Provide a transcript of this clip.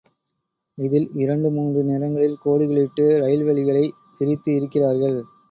இதில் இரண்டு மூன்று நிறங்களில் கோடுகள் இட்டு ரயில் வழிகளைப் பிரித்து இருக்கிறார்கள்.